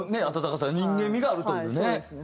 温かさ人間味があるというね。